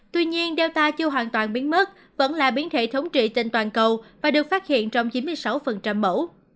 tuy nhiên do chưa hoàn toàn biến mất vẫn là biến hệ thống trị trên toàn cầu và được phát hiện trong chín mươi sáu mẫu